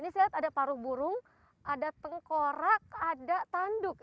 ini saya lihat ada paru burung ada tengkorak ada tanduk